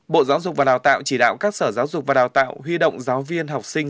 bộ giáo dục và đào tạo chỉ đạo các sở giáo dục và đào tạo huy động giáo viên học sinh